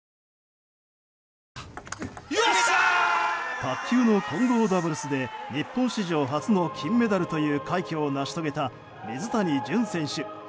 卓球の混合ダブルスで日本史上初の金メダルという快挙を成し遂げた水谷隼選手。